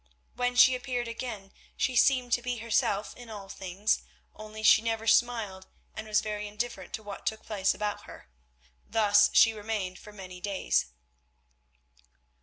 When she appeared again she seemed to be herself in all things, only she never smiled and was very indifferent to what took place about her. Thus she remained for many days.